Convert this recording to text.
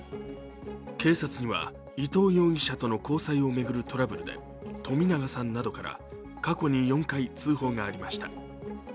更に警察には、伊藤容疑者との交際を巡るトラブルで冨永さんなどから過去に４回通報がありました。